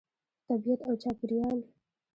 طبیعت او چاپیریال